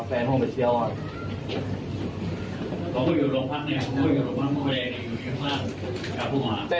พอพูดอยู่โรงพักษณ์เนี้ยผมพูดอยู่โรงพักษณ์น้ำเมอร์เนี้ยอยู่นี่ข้างหลัง